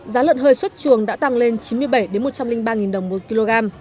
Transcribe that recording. giá lợn hơi xuất chuồng đã tăng lên chín mươi bảy một trăm linh ba đồng một kg